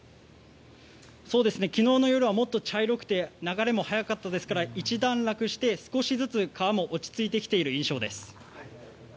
昨日の夜はもっと茶色くて流れも速かったですから一段落して少しずつ川も落ち着いてきている印象です。